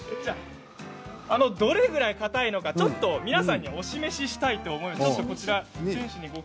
どれぐらいかたいのかお示ししたいと思います。